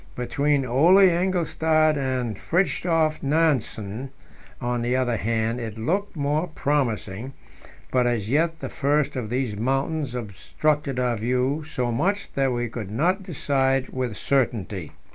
Between Ole Engelstad and Fridtjof Nansen, on the other hand, it looked more promising, but as yet the first of these mountains obstructed our view so much that we could not decide with certainty.